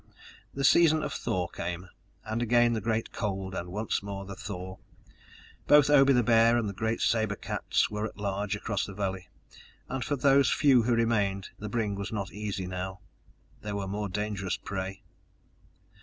The season of thaw came, and again the great cold and once more the thaw. Both Obe the Bear and the great saber cats were at large across the valley, and for those few who remained the bring was not easy now. There was more dangerous prey!